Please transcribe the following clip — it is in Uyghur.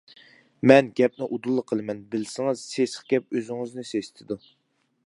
مەن گەپنى ئۇدۇللا قىلىمەن، بىلسىڭىز سېسىق گەپ ئۆزىڭىزنى سېسىتىدۇ.